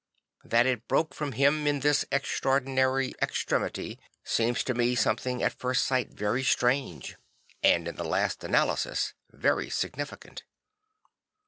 That it broke from him in this extraordinary extremity seems to me something at first sight very strange and in the last analysis very significant.